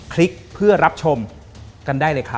ลิกเพื่อรับชมกันได้เลยครับ